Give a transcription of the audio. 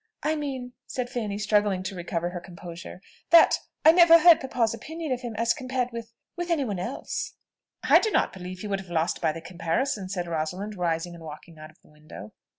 "I mean," said Fanny, struggling to recover her composure, "that I never heard papa's opinion of him as compared with with any one else." "I do not believe he would have lost by the comparison," said Rosalind, rising, and walking out of the window.